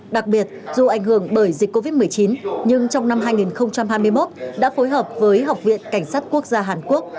đặc biệt dù ảnh hưởng bởi dịch covid một mươi chín nhưng trong năm hai nghìn hai mươi một đã phối hợp với học viện cảnh sát quốc gia hàn quốc